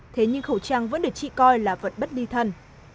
thế nhưng khẩu trang vẫn được chị coi là vật bất đi thân